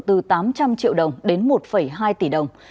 từ tám trăm linh triệu đồng đến một hai tỷ đồng